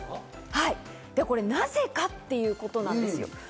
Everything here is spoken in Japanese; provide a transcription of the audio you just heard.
これ、なぜかということなんです。